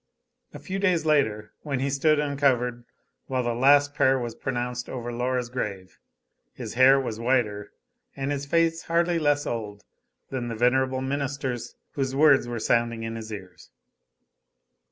A few days later, when he stood uncovered while the last prayer was pronounced over Laura's grave, his hair was whiter and his face hardly less old than the venerable minister's whose words were sounding in his ears.